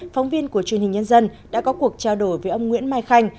phóng viên của truyền hình nhân dân đã có cuộc trao đổi với ông nguyễn mai khanh